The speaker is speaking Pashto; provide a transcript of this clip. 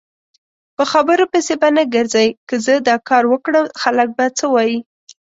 په خبرو پسې به نه ګرځی که زه داکاروکړم خلک به څه وایي؟